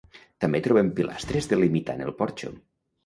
També trobem pilastres delimitant el porxo.